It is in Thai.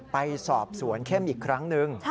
ไปสอบสวนเข้มอีกครั้งหนึ่ง